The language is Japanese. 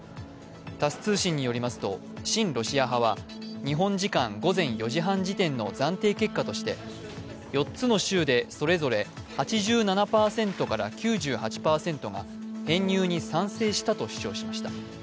タス通信によりますと、親ロシア派は日本時間午前４時半時点の暫定結果として、４つの州でそれぞれ８７％から９８％が編入に賛成したと主張しました。